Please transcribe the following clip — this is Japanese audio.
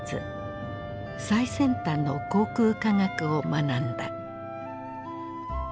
最先端の航空科学を学んだ。